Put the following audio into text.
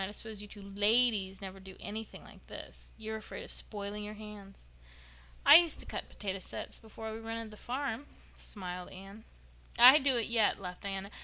I suppose you two ladies never do anything like this. You'd be afraid of spoiling your hands." "I used to cut potato sets before we rented the farm," smiled Anne. "I do it yet," laughed Diana.